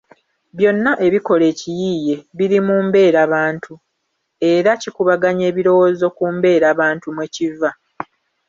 Byonna ebikola ekiyiiye biri mu mbeerabantu era kikubanya ebirowooza ku mbeerabantu mwe kiva.